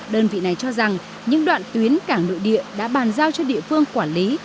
đơn vị này cho rằng những đoạn tuyến cảng nội địa đã bàn giao cho địa phương quản lý